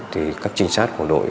thì các trinh sát của đội